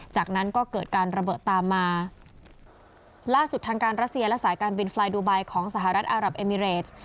จากนั้นก็เกิดการระเบิดตามมาล่าสุดทางการรัสเซียและสายการบินไฟล์ดูไบของสหรัฐอารับเอมิเรส